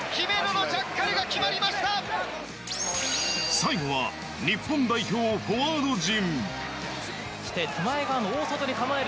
最後は日本代表フォワード陣。